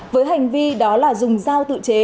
với hành vi đó là dùng giao tự chế